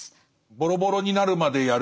ボロボロになるまでやる。